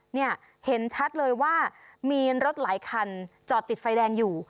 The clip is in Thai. เนี่ยเห็นชัดเลยว่ามีรถหลายคันจอดติดไฟแดงอยู่